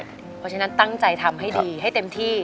เพราะฉะนั้นตั้งใจทำให้ดีให้เต็มที่